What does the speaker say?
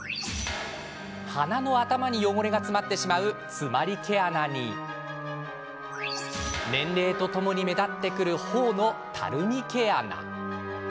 鼻の頭に汚れが詰まってしまう詰まり毛穴に年齢とともに目立ってくるほおの、たるみ毛穴。